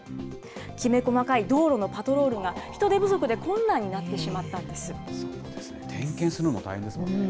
きめ細かい道路のパトロールが、人手不足で困難になってしまった点検するのも大変ですもんね。